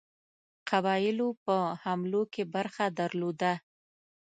قبایلو په حملو کې برخه درلوده.